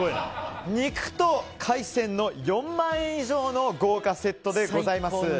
肉と海鮮の４万円以上の豪華セットでございます。